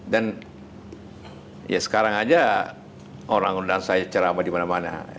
dan ya sekarang saja orang dan saya cerama di mana mana